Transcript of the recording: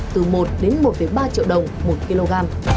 từ một một ba triệu đồng mỗi kg